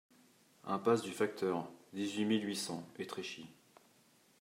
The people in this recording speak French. Impasse du Facteur, dix-huit mille huit cents Étréchy